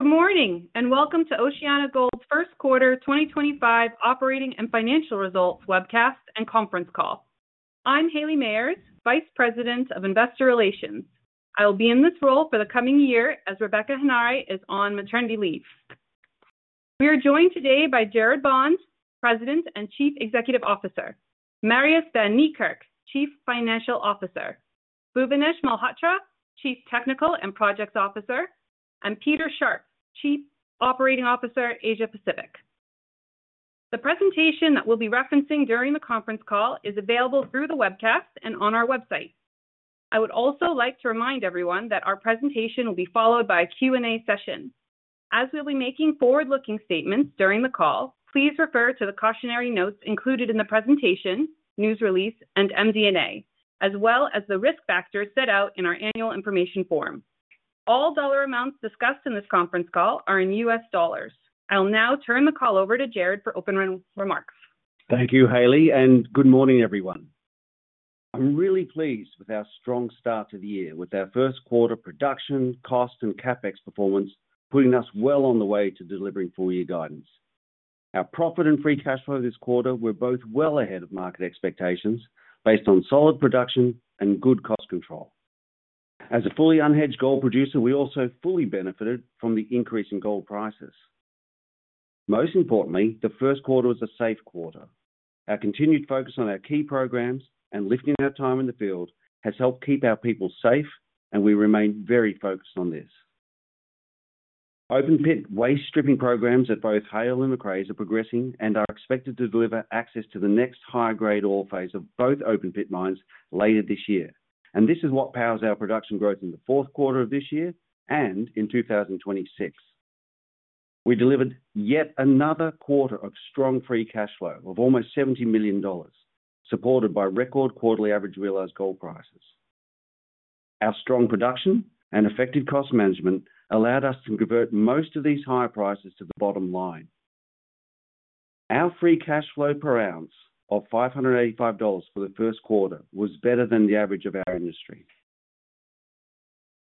Good morning and welcome to OceanaGold's first quarter 2025 operating and financial results webcast and conference call. I'm Haley Mayers, Vice President of Investor Relations. I will be in this role for the coming year as Rebecca Henare is on maternity leave. We are joined today by Gerard Bond, President and Chief Executive Officer; Marius van Niekerk, Chief Financial Officer; Bhuvanesh Malhotra, Chief Technical and Projects Officer; and Peter Sharpe, Chief Operating Officer, Asia Pacific. The presentation that we'll be referencing during the conference call is available through the webcast and on our website. I would also like to remind everyone that our presentation will be followed by a Q&A session. As we'll be making forward-looking statements during the call, please refer to the cautionary notes included in the presentation, news release, and MD&A, as well as the risk factors set out in our annual information form. All dollar amounts discussed in this conference call are in U.S. dollars. I'll now turn the call over to Gerard for open remarks. Thank you, Haley, and good morning, everyone. I'm really pleased with our strong start to the year with our first quarter production, cost, and CapEx performance putting us well on the way to delivering full-year guidance. Our profit and free cash flow this quarter were both well ahead of market expectations based on solid production and good cost control. As a fully unhedged gold producer, we also fully benefited from the increase in gold prices. Most importantly, the first quarter was a safe quarter. Our continued focus on our key programs and lifting our time in the field has helped keep our people safe, and we remain very focused on this. Open-pit waste stripping programs at both Haile and Macraes are progressing and are expected to deliver access to the next high-grade ore phase of both open-pit mines later this year, and this is what powers our production growth in the fourth quarter of this year and in 2026. We delivered yet another quarter of strong free cash flow of almost $70 million, supported by record quarterly average realized gold prices. Our strong production and effective cost management allowed us to convert most of these higher prices to the bottom line. Our free cash flow per ounce of $585 for the first quarter was better than the average of our industry.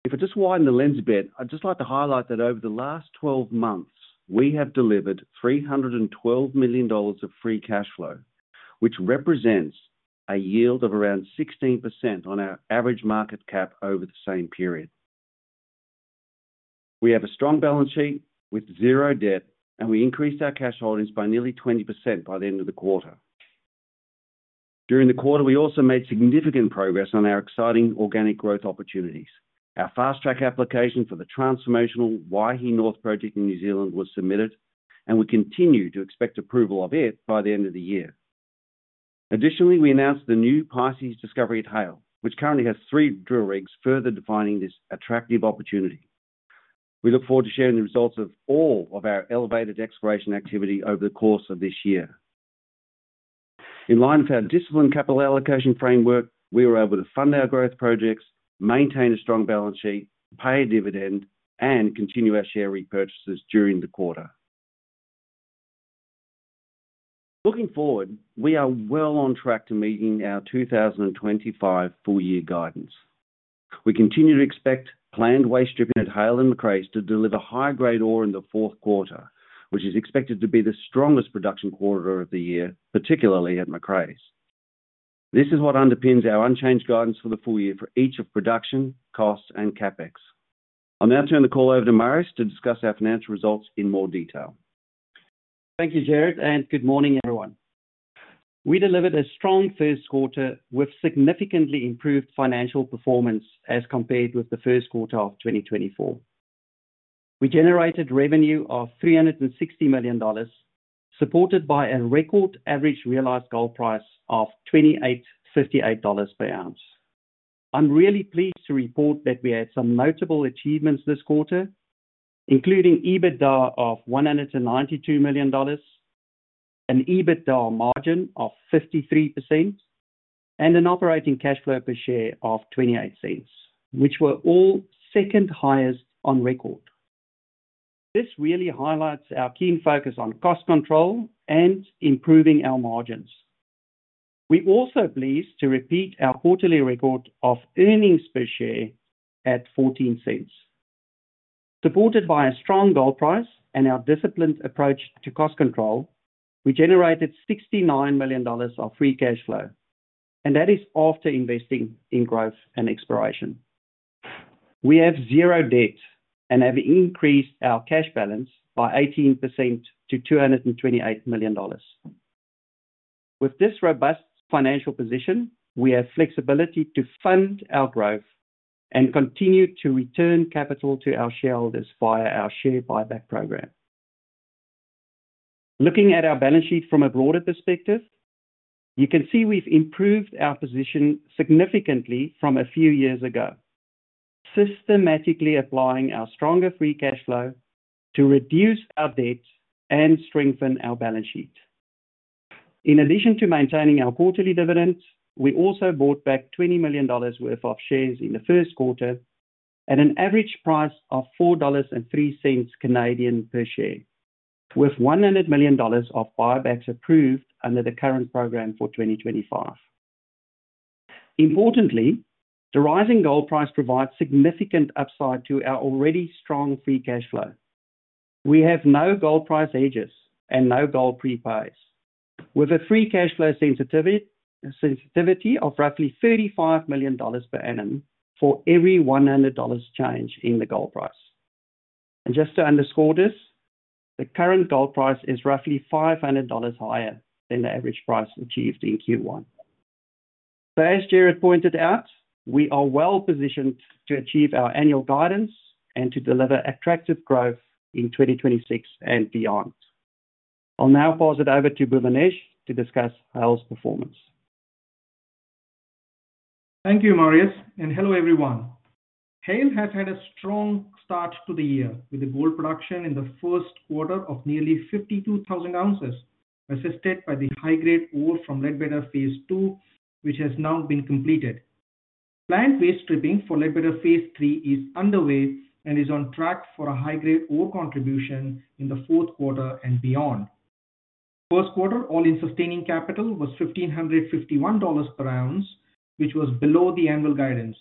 If I just widen the lens a bit, I'd just like to highlight that over the last 12 months, we have delivered $312 million of free cash flow, which represents a yield of around 16% on our average market cap over the same period. We have a strong balance sheet with zero debt, and we increased our cash holdings by nearly 20% by the end of the quarter. During the quarter, we also made significant progress on our exciting organic growth opportunities. Our fast-track application for the transformational Waihi North Project in New Zealand was submitted, and we continue to expect approval of it by the end of the year. Additionally, we announced the new Pisces discovery at Haile, which currently has three drill rigs further defining this attractive opportunity. We look forward to sharing the results of all of our elevated exploration activity over the course of this year. In line with our discipline capital allocation framework, we were able to fund our growth projects, maintain a strong balance sheet, pay a dividend, and continue our share repurchases during the quarter. Looking forward, we are well on track to meeting our 2025 full-year guidance. We continue to expect planned waste stripping at Haile and Macraes to deliver high-grade ore in the fourth quarter, which is expected to be the strongest production quarter of the year, particularly at Macraes. This is what underpins our unchanged guidance for the full year for each of production, cost, and CapEx. I'll now turn the call over to Marius to discuss our financial results in more detail. Thank you, Gerard, and good morning, everyone. We delivered a strong first quarter with significantly improved financial performance as compared with the first quarter of 2024. We generated revenue of $360 million, supported by a record average realized gold price of $2,858 per ounce. I'm really pleased to report that we had some notable achievements this quarter, including EBITDA of $192 million, an EBITDA margin of 53%, and an operating cash flow per share of $0.28, which were all second highest on record. This really highlights our keen focus on cost control and improving our margins. We're also pleased to repeat our quarterly record of earnings per share at $0.14. Supported by a strong gold price and our disciplined approach to cost control, we generated $69 million of free cash flow, and that is after investing in growth and exploration. We have zero debt and have increased our cash balance by 18% to $228 million. With this robust financial position, we have flexibility to fund our growth and continue to return capital to our shareholders via our share buyback program. Looking at our balance sheet from a broader perspective, you can see we've improved our position significantly from a few years ago, systematically applying our stronger free cash flow to reduce our debt and strengthen our balance sheet. In addition to maintaining our quarterly dividends, we also bought back $20 million worth of shares in the first quarter at an average price of 4.03 Canadian dollars per share, with $100 million of buybacks approved under the current program for 2025. Importantly, the rising gold price provides significant upside to our already strong free cash flow. We have no gold price hedges and no gold prepays, with a free cash flow sensitivity of roughly $35 million per annum for every $100 change in the gold price. Just to underscore this, the current gold price is roughly $500 higher than the average price achieved in Q1. As Gerard pointed out, we are well positioned to achieve our annual guidance and to deliver attractive growth in 2026 and beyond. I'll now pass it over to Bhuvanesh to discuss Haile's performance. Thank you, Marius, and hello everyone. Haile has had a strong start to the year with the gold production in the first quarter of nearly 52,000 ounces, assisted by the high-grade ore from Leadbetter phase II, which has now been completed. Plant waste stripping for Leadbetter phase III is underway and is on track for a high-grade ore contribution in the fourth quarter and beyond. First quarter all-in sustaining costs were $1,551 per ounce, which was below the annual guidance.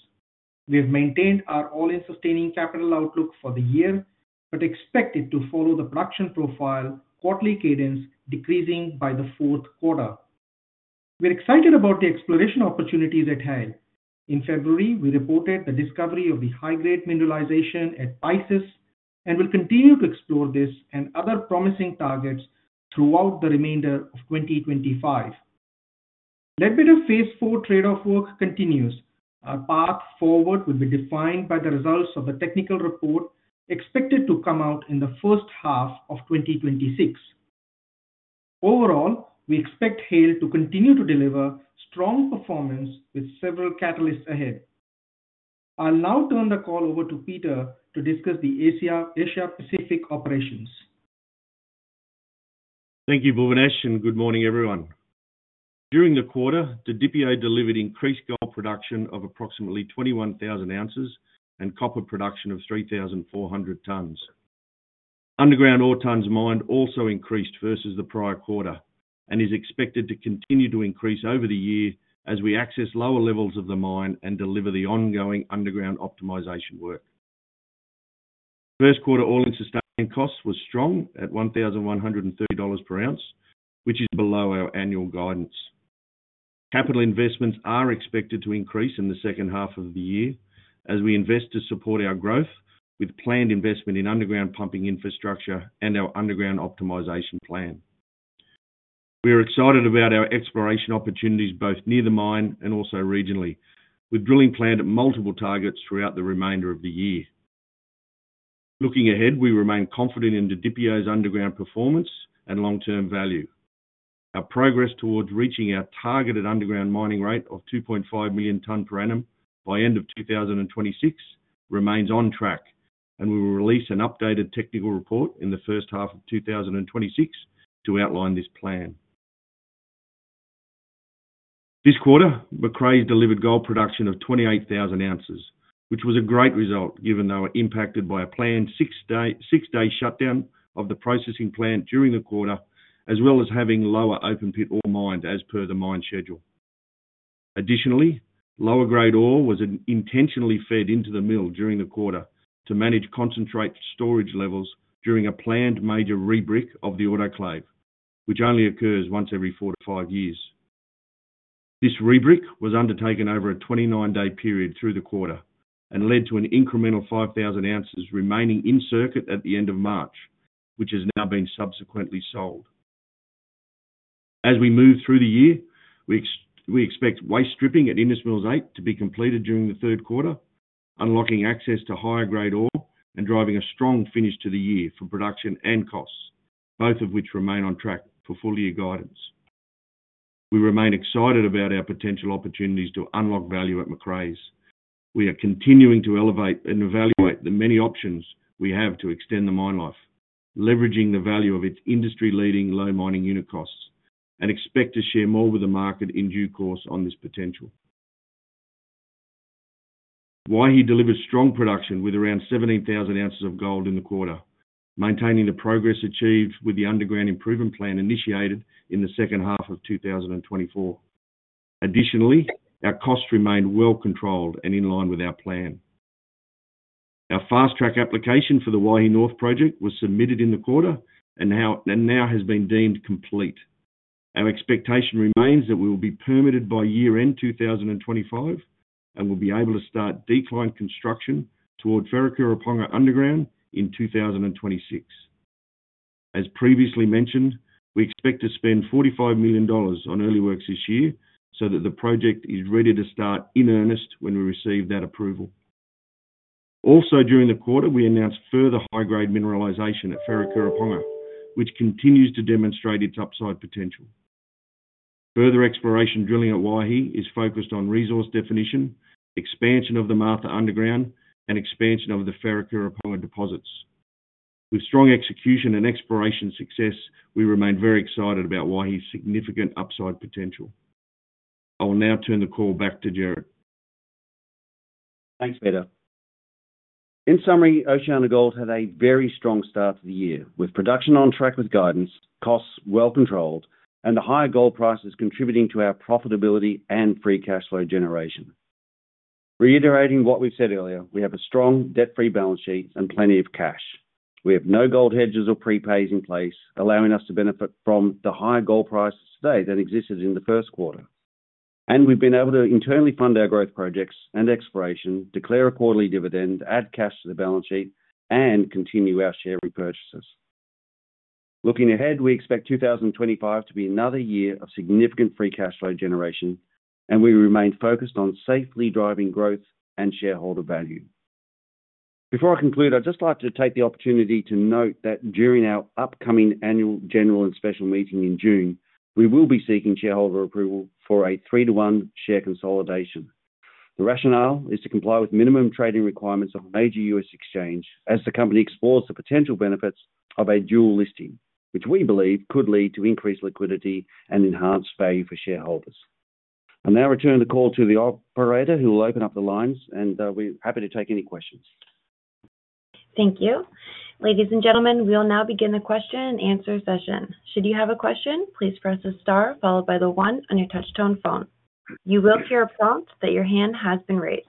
We have maintained our all-in sustaining costs outlook for the year but expect it to follow the production profile quarterly cadence, decreasing by the fourth quarter. We're excited about the exploration opportunities at Haile. In February, we reported the discovery of the high-grade mineralization at Pisces and will continue to explore this and other promising targets throughout the remainder of 2025. Leadbetter phase IV trade-off work continues. Our path forward will be defined by the results of the technical report expected to come out in the first half of 2026. Overall, we expect Haile to continue to deliver strong performance with several catalysts ahead. I'll now turn the call over to Peter to discuss the Asia Pacific operations. Thank you, Bhuvanesh, and good morning, everyone. During the quarter, Didipio delivered increased gold production of approximately 21,000 ounces and copper production of 3,400 tons. Underground ore tons mined also increased versus the prior quarter and is expected to continue to increase over the year as we access lower levels of the mine and deliver the ongoing underground optimization work. First quarter all-in sustaining costs was strong at $1,130 per ounce, which is below our annual guidance. Capital investments are expected to increase in the second half of the year as we invest to support our growth with planned investment in underground pumping infrastructure and our underground optimization plan. We are excited about our exploration opportunities both near the mine and also regionally, with drilling planned at multiple targets throughout the remainder of the year. Looking ahead, we remain confident in Didipio's underground performance and long-term value. Our progress towards reaching our targeted underground mining rate of 2.5 million tonnes per annum by end of 2026 remains on track, and we will release an updated technical report in the first half of 2026 to outline this plan. This quarter, Macraes delivered gold production of 28,000 ounces, which was a great result given they were impacted by a planned six-day shutdown of the processing plant during the quarter, as well as having lower open-pit ore mined as per the mine schedule. Additionally, lower-grade ore was intentionally fed into the mill during the quarter to manage concentrate storage levels during a planned major rebrick of the autoclave, which only occurs once every four to five years. This rebrick was undertaken over a 29-day period through the quarter and led to an incremental 5,000 ounces remaining in circuit at the end of March, which has now been subsequently sold. As we move through the year, we expect waste stripping at Indus Mills 8 to be completed during the third quarter, unlocking access to higher-grade ore and driving a strong finish to the year for production and costs, both of which remain on track for full-year guidance. We remain excited about our potential opportunities to unlock value at Macraes. We are continuing to elevate and evaluate the many options we have to extend the mine life, leveraging the value of its industry-leading low mining unit costs, and expect to share more with the market in due course on this potential. Waihi delivered strong production with around 17,000 ounces of gold in the quarter, maintaining the progress achieved with the underground improvement plan initiated in the second half of 2024. Additionally, our costs remained well controlled and in line with our plan. Our fast-track application for the Waihi North project was submitted in the quarter and now has been deemed complete. Our expectation remains that we will be permitted by year-end 2025 and will be able to start decline construction toward Wharekirauponga Underground in 2026. As previously mentioned, we expect to spend $45 million on early works this year so that the project is ready to start in earnest when we receive that approval. Also, during the quarter, we announced further high-grade mineralization at Wharekirauponga, which continues to demonstrate its upside potential. Further exploration drilling at Waihi is focused on resource definition, expansion of the Martha Underground, and expansion of the Wharekirauponga deposits. With strong execution and exploration success, we remain very excited about Waihi's significant upside potential. I will now turn the call back to Gerard. Thanks, Peter. In summary, OceanaGold had a very strong start to the year with production on track with guidance, costs well controlled, and the higher gold prices contributing to our profitability and free cash flow generation. Reiterating what we've said earlier, we have a strong debt-free balance sheet and plenty of cash. We have no gold hedges or prepays in place, allowing us to benefit from the higher gold prices today than existed in the first quarter. We've been able to internally fund our growth projects and exploration, declare a quarterly dividend, add cash to the balance sheet, and continue our share repurchases. Looking ahead, we expect 2025 to be another year of significant free cash flow generation, and we remain focused on safely driving growth and shareholder value. Before I conclude, I'd just like to take the opportunity to note that during our upcoming annual general and special meeting in June, we will be seeking shareholder approval for a three-to-one share consolidation. The rationale is to comply with minimum trading requirements of a major U.S. exchange as the company explores the potential benefits of a dual listing, which we believe could lead to increased liquidity and enhanced value for shareholders. I'll now return the call to the operator who will open up the lines, and we're happy to take any questions. Thank you. Ladies and gentlemen, we will now begin the question and answer session. Should you have a question, please press the star followed by the one on your touch-tone phone. You will hear a prompt that your hand has been raised.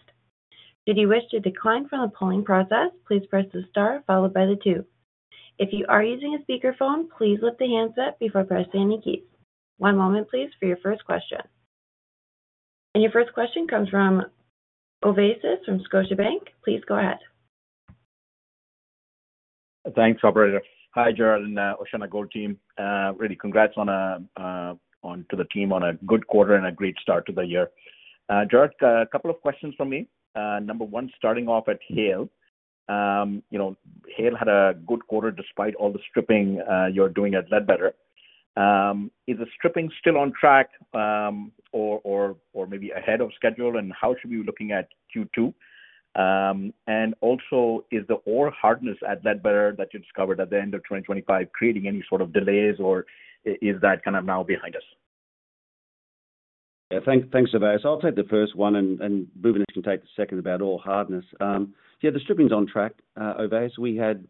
Should you wish to decline from the polling process, please press the star followed by the two. If you are using a speakerphone, please lift the handset before pressing any keys. One moment, please, for your first question. Your first question comes from Ovais from Scotiabank. Please go ahead. Thanks, Operator. Hi, Gerard, and OceanaGold team. Really, congrats to the team on a good quarter and a great start to the year. Gerard, a couple of questions for me. Number one, starting off at Haile. Haile had a good quarter despite all the stripping you're doing at Leadbetter. Is the stripping still on track or maybe ahead of schedule, and how should we be looking at Q2? Also, is the ore hardness at Leadbetter that you discovered at the end of 2025 creating any sort of delays, or is that kind of now behind us? Yeah, thanks, Ovais. I'll take the first one, and Bhuvanesh can take the second about ore hardness. Yeah, the stripping's on track, Ovais. We had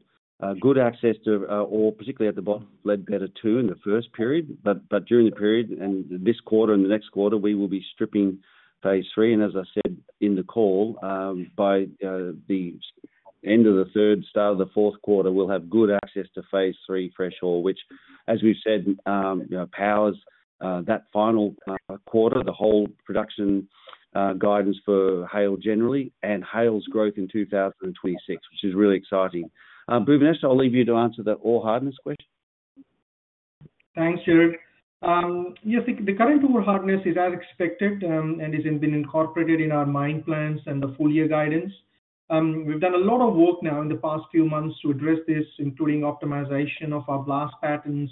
good access to ore, particularly at the bottom of Leadbetter II in the first period, but during the period and this quarter and the next quarter, we will be stripping phase III. As I said in the call, by the end of the third, start of the fourth quarter, we'll have good access to phase III fresh ore, which, as we've said, powers that final quarter, the whole production guidance for Haile generally, and Haile's growth in 2026, which is really exciting. Bhuvanesh, I'll leave you to answer the ore hardness question. Thanks, Gerard. Yeah, I think the current ore hardness is as expected and has been incorporated in our mine plans and the full-year guidance. We've done a lot of work now in the past few months to address this, including optimization of our blast patterns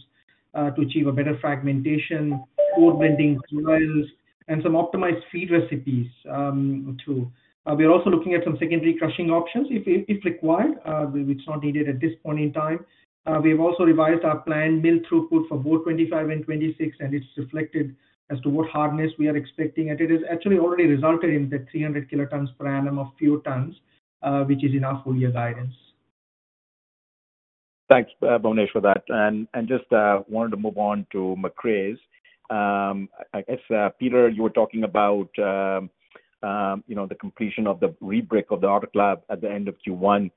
to achieve a better fragmentation, ore blending drills, and some optimized feed recipes too. We're also looking at some secondary crushing options if required, which is not needed at this point in time. We have also revised our planned mill throughput for both 2025 and 2026, and it's reflected as to what hardness we are expecting. It has actually already resulted in the 300 kilotonnes per annum of fewer tons, which is in our full-year guidance. Thanks, Bhuvanesh, for that. I just wanted to move on to Macraes. I guess, Peter, you were talking about the completion of the rebrick of the autoclave at the end of Q1.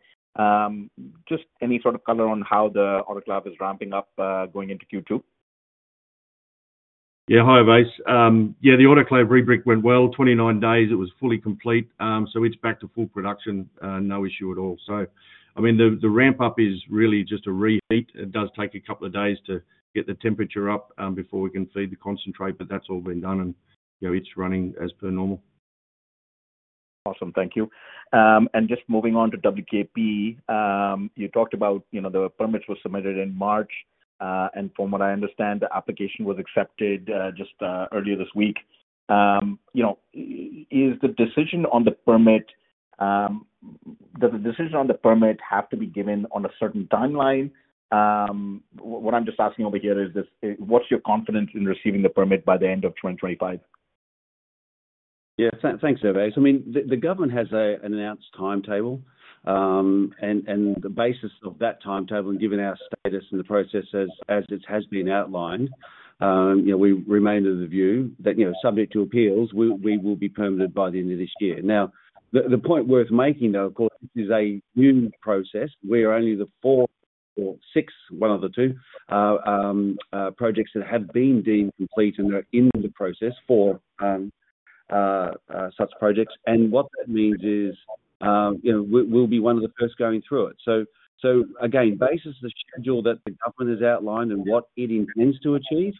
Just any sort of color on how the autoclave is ramping up going into Q2? Yeah, hi, Ovais. Yeah, the autoclave rebrick went well. 29 days, it was fully complete, so it's back to full production. No issue at all. I mean, the ramp-up is really just a reheat. It does take a couple of days to get the temperature up before we can feed the concentrate, but that's all been done, and it's running as per normal. Awesome. Thank you. Just moving on to WKP, you talked about the permits were submitted in March, and from what I understand, the application was accepted just earlier this week. Is the decision on the permit, does the decision on the permit have to be given on a certain timeline? What I'm just asking over here is this, what's your confidence in receiving the permit by the end of 2025? Yeah, thanks, Ovais. I mean, the government has an announced timetable, and the basis of that timetable, given our status and the process as it has been outlined, we remain of the view that subject to appeals, we will be permitted by the end of this year. Now, the point worth making, though, of course, this is a new process. We are only the four or six, one of the two, projects that have been deemed complete, and they're in the process for such projects. What that means is we'll be one of the first going through it. Again, basis of the schedule that the government has outlined and what it intends to achieve,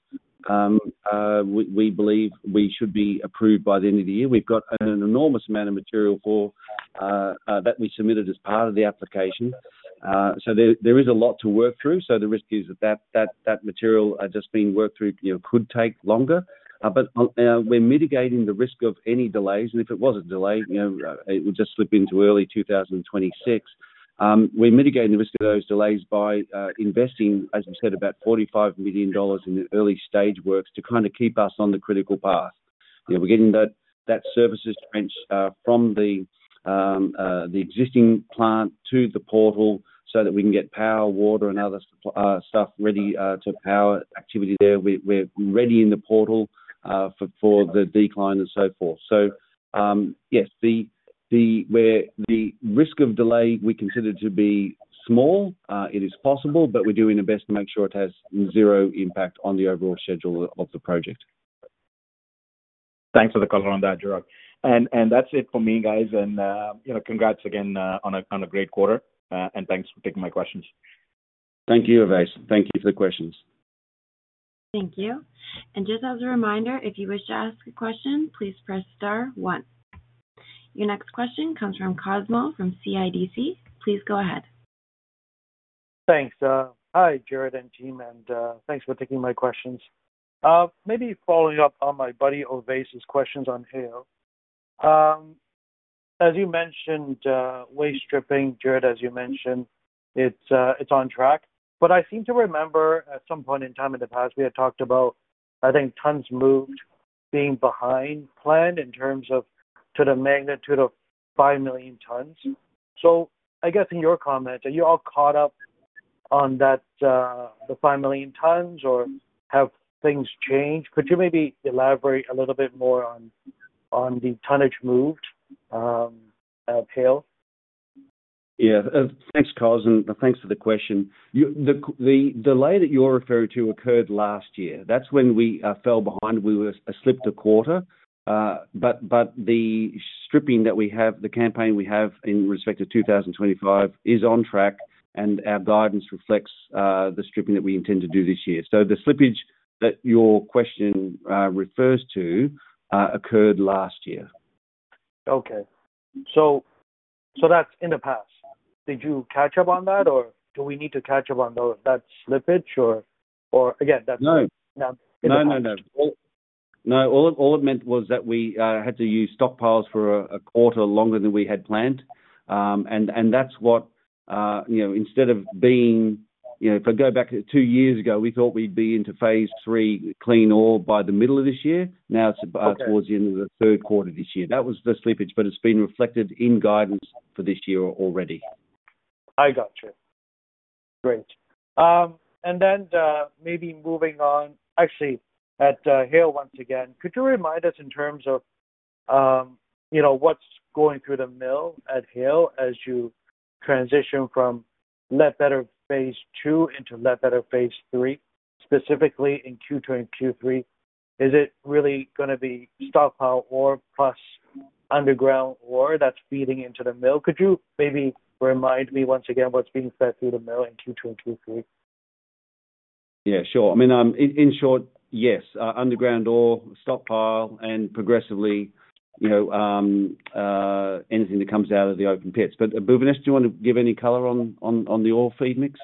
we believe we should be approved by the end of the year. We've got an enormous amount of material that we submitted as part of the application. There is a lot to work through. The risk is that that material just being worked through could take longer. We are mitigating the risk of any delays. If it was a delay, it would just slip into early 2026. We are mitigating the risk of those delays by investing, as we said, about $45 million in the early stage works to kind of keep us on the critical path. We are getting that services trench from the existing plant to the portal so that we can get power, water, and other stuff ready to power activity there. We are readying the portal for the decline and so forth. Yes, the risk of delay we consider to be small. It is possible, but we are doing our best to make sure it has zero impact on the overall schedule of the project. Thanks for the color on that, Gerard. That is it for me, guys. Congrats again on a great quarter, and thanks for taking my questions. Thank you, Ovais. Thank you for the questions. Thank you. Just as a reminder, if you wish to ask a question, please press star one. Your next question comes from Cosmos Chiu from CIBC. Please go ahead. Thanks. Hi, Gerard and team, and thanks for taking my questions. Maybe following up on my buddy Ovais' questions on Haile. As you mentioned, waste stripping, Gerard, as you mentioned, it's on track. I seem to remember at some point in time in the past, we had talked about, I think, tons moved being behind plan in terms of to the magnitude of 5 million tons. I guess in your comments, are you all caught up on the 5 million tons, or have things changed? Could you maybe elaborate a little bit more on the tonnage moved at Haile? Yeah. Thanks, Cosmos, and thanks for the question. The delay that you're referring to occurred last year. That's when we fell behind. We slipped a quarter. The stripping that we have, the campaign we have in respect to 2025, is on track, and our guidance reflects the stripping that we intend to do this year. The slippage that your question refers to occurred last year. Okay. So that's in the past. Did you catch up on that, or do we need to catch up on that slippage, or again, that's? No, all it meant was that we had to use stockpiles for a quarter longer than we had planned. That is what, instead of being if I go back two years ago, we thought we would be into phase III clean ore by the middle of this year. Now it is towards the end of the third quarter this year. That was the slippage, but it has been reflected in guidance for this year already. I gotcha. Great. Maybe moving on, actually, at Haile once again, could you remind us in terms of what's going through the mill at Haile as you transition from Leadbetter phase II into Leadbetter phase III, specifically in Q2 and Q3? Is it really going to be stockpile ore plus underground ore that's feeding into the mill? Could you maybe remind me once again what's being fed through the mill in Q2 and Q3? Yeah, sure. I mean, in short, yes, underground ore, stockpile, and progressively anything that comes out of the open pits. Bhuvanesh, do you want to give any color on the ore feed mix?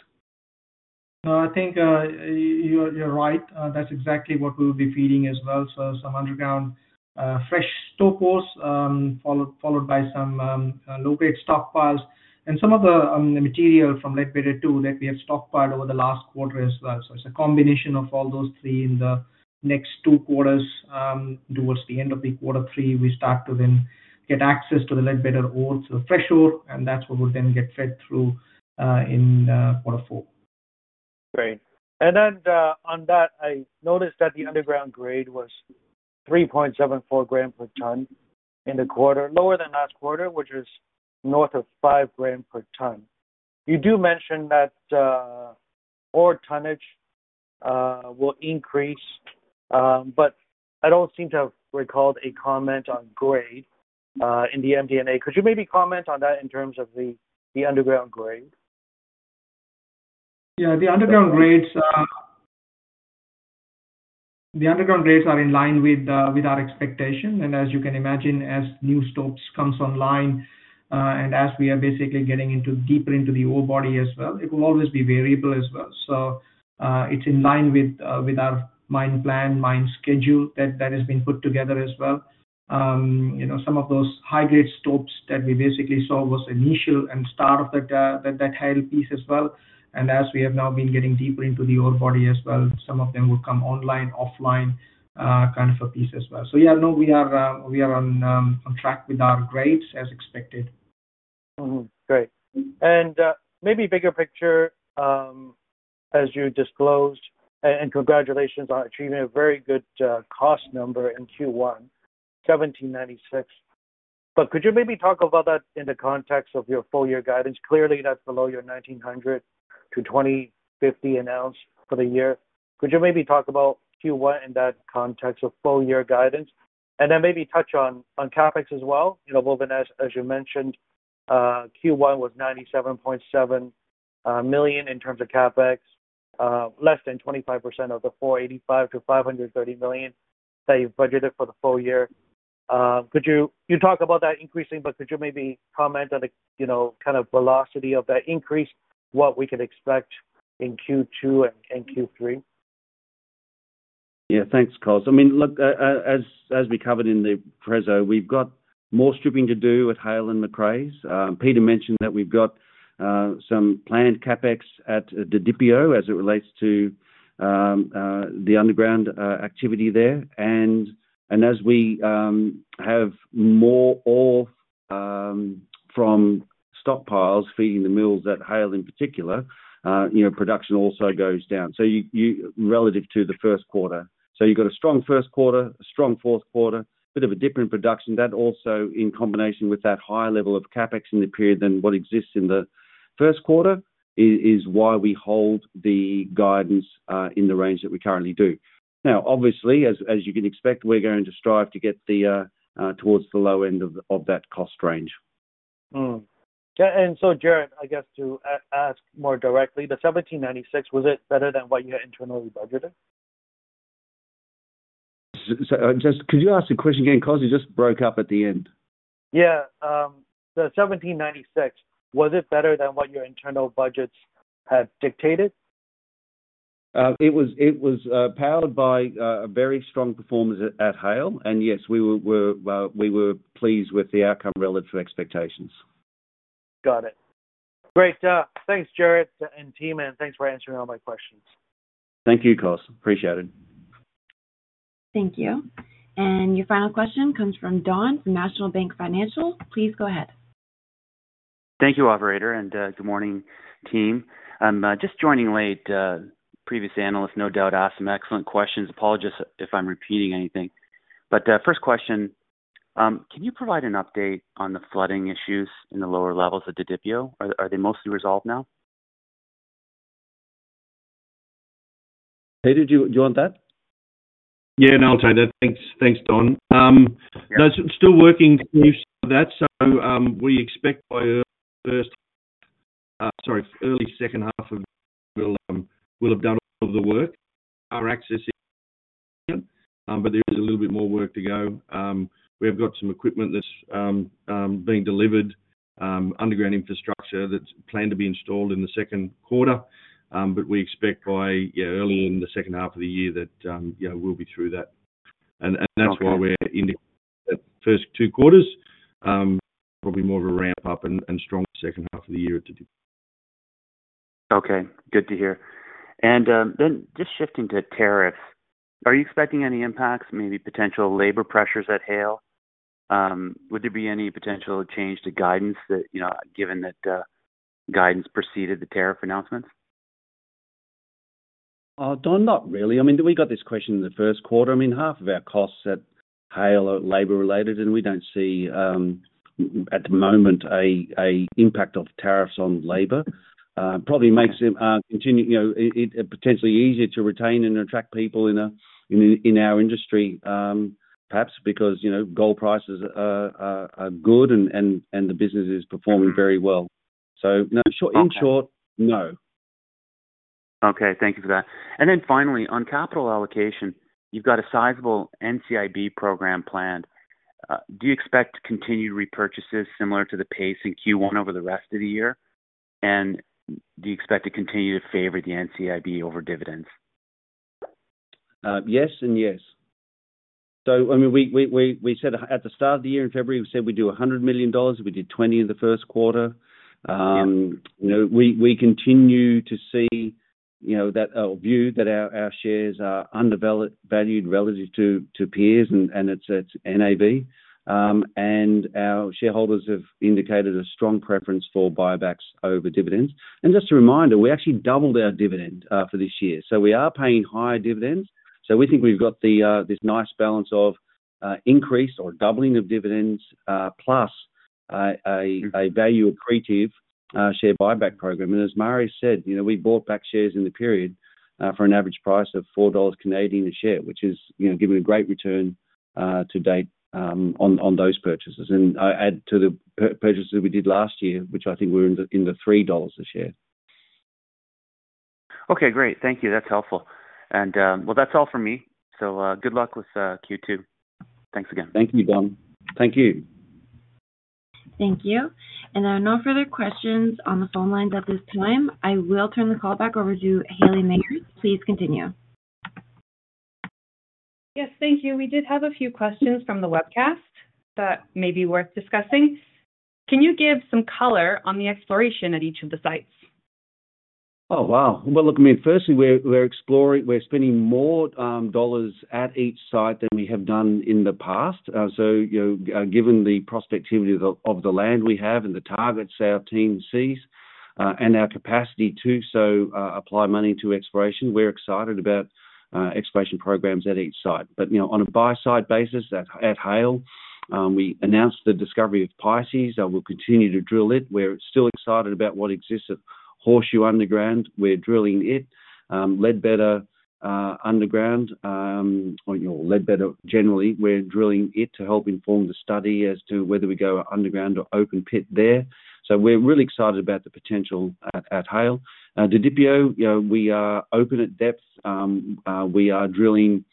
No, I think you're right. That's exactly what we'll be feeding as well. Some underground fresh stockpiles followed by some low-grade stockpiles. Some of the material from Leadbetter II that we have stockpiled over the last quarter as well. It's a combination of all those three in the next two quarters. Towards the end of quarter three, we start to then get access to the Leadbetter ore, so fresh ore, and that's what will then get fed through in quarter four. Great. On that, I noticed that the underground grade was 3.74 grams per ton in the quarter, lower than last quarter, which is north of 5 grams per ton. You do mention that ore tonnage will increase, but I do not seem to have recalled a comment on grade in the MD&A. Could you maybe comment on that in terms of the underground grade? Yeah, the underground grades are in line with our expectation. As you can imagine, as new stopes come online and as we are basically getting deeper into the ore body as well, it will always be variable as well. It is in line with our mine plan, mine schedule that has been put together as well. Some of those high-grade stopes that we basically saw was initial and start of that Haile piece as well. As we have now been getting deeper into the ore body as well, some of them will come online, offline kind of a piece as well. Yeah, no, we are on track with our grades as expected. Great. Maybe bigger picture, as you disclosed, and congratulations on achieving a very good cost number in Q1, $1,796. Could you maybe talk about that in the context of your full-year guidance? Clearly, that is below your $1,900-$2,050 announced for the year. Could you maybe talk about Q1 in that context of full-year guidance? Maybe touch on CapEx as well. Bhuvanesh, as you mentioned, Q1 was $97.7 million in terms of CapEx, less than 25% of the $485 million-$530 million that you budgeted for the full year. Could you talk about that increasing, and could you maybe comment on the kind of velocity of that increase, what we could expect in Q2 and Q3? Yeah, thanks, Cosmos. I mean, look, as we covered in the prezzo, we've got more stripping to do at Haile and Macraes. Peter mentioned that we've got some planned CapEx at Didipio as it relates to the underground activity there. And as we have more ore from stockpiles feeding the mills at Haile in particular, production also goes down, relative to the first quarter. You have a strong first quarter, a strong fourth quarter, a bit of a different production. That also, in combination with that high level of CapEx in the period than what exists in the first quarter, is why we hold the guidance in the range that we currently do. Now, obviously, as you can expect, we're going to strive to get towards the low end of that cost range. Gerard, I guess to ask more directly, the $1,796, was it better than what you had internally budgeted? Could you ask the question again, Cosmos? You just broke up at the end. Yeah. The 1796, was it better than what your internal budgets had dictated? It was powered by a very strong performance at Haile. Yes, we were pleased with the outcome relative to expectations. Got it. Great. Thanks, Gerard and team, and thanks for answering all my questions. Thank you, Cosmos. Appreciate it. Thank you. Your final question comes from Don from National Bank Financial. Please go ahead. Thank you, operator, and good morning, team. I'm just joining late. Previous analysts, no doubt, asked some excellent questions. Apologies if I'm repeating anything. First question, can you provide an update on the flooding issues in the lower levels at Didipio? Are they mostly resolved now? Peter, do you want that? Yeah, no, I'm sorry. Thanks, Don. Still working to do some of that. We expect by early second half of the year, we'll have done all of the work. Our access is, but there is a little bit more work to go. We have got some equipment that's being delivered, underground infrastructure that's planned to be installed in the second quarter. We expect by early in the second half of the year that we'll be through that. That is why in the first two quarters, probably more of a ramp-up and strong second half of the year at Didipio. Okay. Good to hear. And then just shifting to tariffs, are you expecting any impacts, maybe potential labor pressures at Haile? Would there be any potential change to guidance given that guidance preceded the tariff announcements? Don, not really. I mean, we got this question in the first quarter. I mean, half of our costs at Haile are labor-related, and we do not see at the moment an impact of tariffs on labor. Probably makes it potentially easier to retain and attract people in our industry, perhaps, because gold prices are good and the business is performing very well. In short, no. Okay. Thank you for that. Finally, on capital allocation, you've got a sizable NCIB program planned. Do you expect continued repurchases similar to the pace in Q1 over the rest of the year? Do you expect to continue to favor the NCIB over dividends? Yes and yes. I mean, we said at the start of the year in February, we said we would do $100 million. We did $20 million in the first quarter. We continue to see that view that our shares are undervalued relative to peers, and its NAV. Our shareholders have indicated a strong preference for buybacks over dividends. Just a reminder, we actually doubled our dividend for this year. We are paying higher dividends. We think we have this nice balance of increase or doubling of dividends plus a value-accretive share buyback program. As Marius said, we bought back shares in the period for an average price of 4.00 Canadian dollars a share, which has given a great return to date on those purchases. I add to the purchases we did last year, which I think were in the 3.00 dollars a share. Okay. Great. Thank you. That's helpful. That's all for me. Good luck with Q2. Thanks again. Thank you, Don. Thank you. Thank you. There are no further questions on the phone lines at this time. I will turn the call back over to Haley Mayers. Please continue. Yes, thank you. We did have a few questions from the webcast that may be worth discussing. Can you give some color on the exploration at each of the sites? Oh, wow. Look, I mean, firstly, we're spending more dollars at each site than we have done in the past. Given the prospectivity of the land we have and the targets our team sees and our capacity to also apply money to exploration, we're excited about exploration programs at each site. On a buy-side basis at Haile, we announced the discovery of Pisces. We'll continue to drill it. We're still excited about what exists at Horseshoe Underground. We're drilling it. Leadbetter Underground, or Leadbetter generally, we're drilling it to help inform the study as to whether we go underground or open pit there. We're really excited about the potential at Haile. Didipio, we are open at depth. We are drilling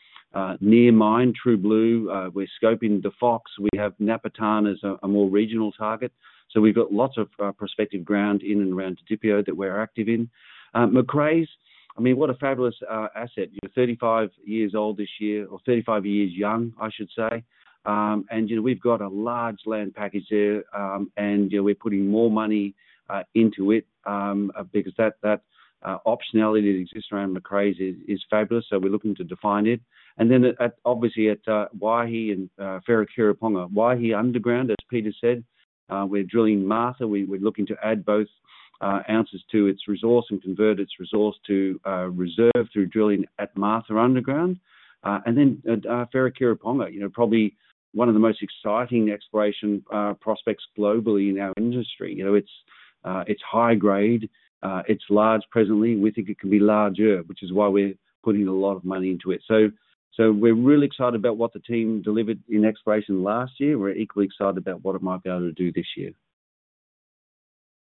near mine True Blue. We're scoping the Fox. We have Napatan as a more regional target. We've got lots of prospective ground in and around Didipio that we're active in. Macraes, I mean, what a fabulous asset. 35 old this year, or 35 years young, I should say. We've got a large land package there, and we're putting more money into it because that optionality that exists around Macraes is fabulous. We're looking to define it. Obviously at Waihi and Wharekirauponga, Waihi Underground, as Peter said, we're drilling Martha. We're looking to add both ounces to its resource and convert its resource to reserve through drilling at Martha Underground. Wharekirauponga, probably one of the most exciting exploration prospects globally in our industry. It's high grade. It's large presently. We think it can be larger, which is why we're putting a lot of money into it. We're really excited about what the team delivered in exploration last year. We're equally excited about what it might be able to do this year.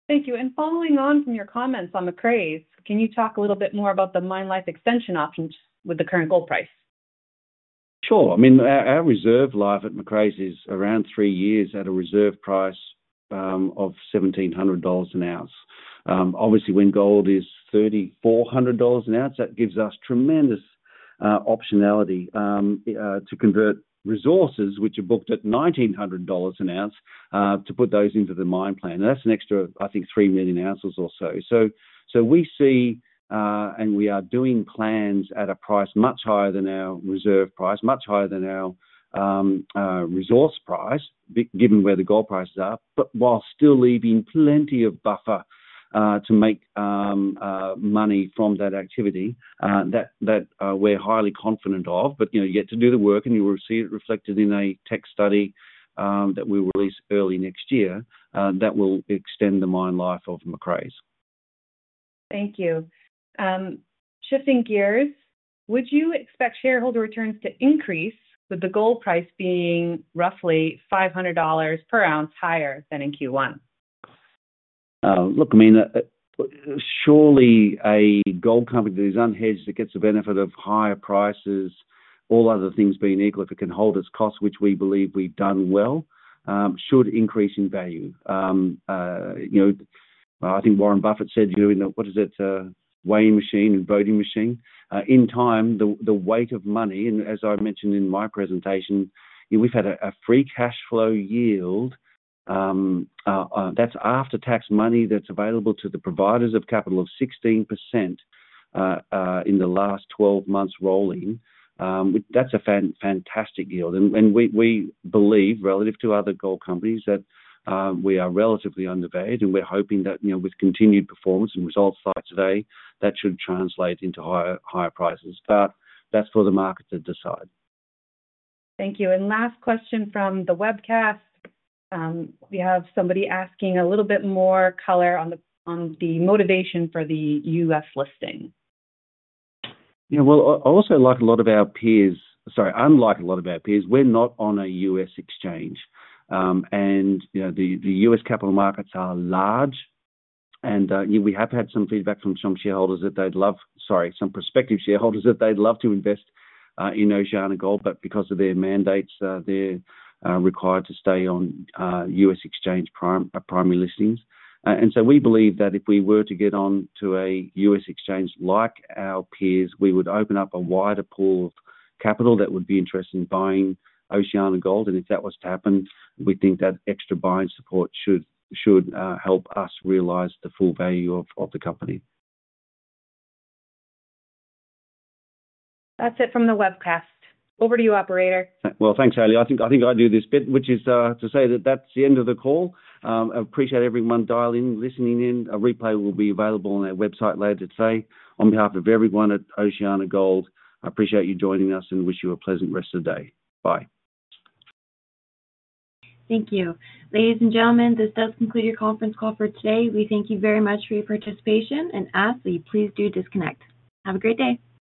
Thank you. Following on from your comments on Macraes, can you talk a little bit more about the mine life extension options with the current gold price? Sure. I mean, our reserve life at Macraes is around three years at a reserve price of $1,700 an ounce. Obviously, when gold is $3,400 an ounce, that gives us tremendous optionality to convert resources, which are booked at $1,900 an ounce, to put those into the mine plan. And that is an extra, I think, 3 million ounces or so. We see, and we are doing plans at a price much higher than our reserve price, much higher than our resource price, given where the gold prices are, but while still leaving plenty of buffer to make money from that activity that we are highly confident of. You get to do the work, and you will see it reflected in a tech study that we will release early next year that will extend the mine life of Macraes. Thank you. Shifting gears, would you expect shareholder returns to increase with the gold price being roughly $500 per ounce higher than in Q1? Look, I mean, surely a gold company that is unhedged that gets the benefit of higher prices, all other things being equal, if it can hold its cost, which we believe we've done well, should increase in value. I think Warren Buffett said, what is it, weighing machine and voting machine. In time, the weight of money, and as I mentioned in my presentation, we've had a free cash flow yield. That's after-tax money that's available to the providers of capital of 16% in the last 12 months rolling. That's a fantastic yield. And we believe, relative to other gold companies, that we are relatively undervalued. We are hoping that with continued performance and results like today, that should translate into higher prices. That is for the market to decide. Thank you. Last question from the webcast. We have somebody asking a little bit more color on the motivation for the U.S. listing. Yeah. Also, like a lot of our peers, sorry, unlike a lot of our peers, we're not on a U.S. exchange. The U.S. capital markets are large, and we have had some feedback from some shareholders that they'd love, sorry, some prospective shareholders that they'd love to invest in OceanaGold, but because of their mandates, they're required to stay on U.S. exchange primary listings. We believe that if we were to get onto a U.S. exchange like our peers, we would open up a wider pool of capital that would be interested in buying OceanaGold. If that was to happen, we think that extra buying support should help us realize the full value of the company. That's it from the webcast. Over to you, operator. Thanks, Haley. I think I do this bit, which is to say that that's the end of the call. I appreciate everyone dialing in, listening in. A replay will be available on our website later today. On behalf of everyone at OceanaGold, I appreciate you joining us and wish you a pleasant rest of the day. Bye. Thank you. Ladies and gentlemen, this does conclude your conference call for today. We thank you very much for your participation. Please do disconnect. Have a great day.